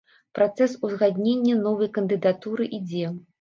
Працэс узгаднення новай кандыдатуры ідзе.